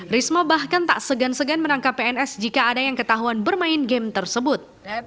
risma bahkan tak segan segan menangkap pns jika ada yang ketahuan bermain game tersebut